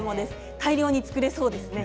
大量に作れそうですね。